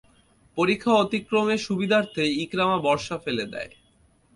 পরিখা অতিক্রমের সুবিধার্থে ইকরামা বর্শা ফেলে দেয়।